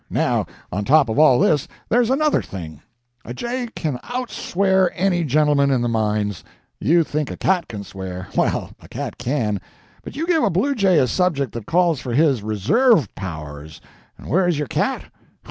Now, on top of all this, there's another thing; a jay can out swear any gentleman in the mines. You think a cat can swear. Well, a cat can; but you give a bluejay a subject that calls for his reserve powers, and where is your cat?